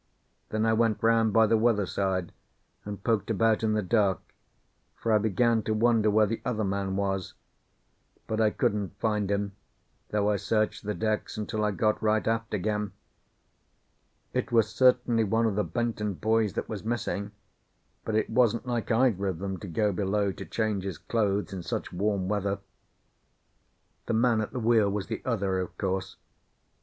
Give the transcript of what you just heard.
Then I went round by the weather side, and poked about in the dark, for I began to wonder where the other man was. But I couldn't find him, though I searched the decks until I got right aft again. It was certainly one of the Benton boys that was missing, but it wasn't like either of them to go below to change his clothes in such warm weather. The man at the wheel was the other, of course.